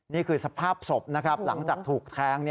นี่คือสภาพศพนะครับหลังจากถูกแทง